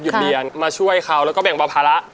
หยุดเรียนมาช่วยเขาแล้วก็แบ่งบรรพาระ